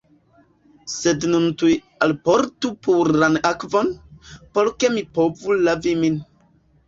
Sed nun tuj alportu puran akvon, por ke mi povu lavi min.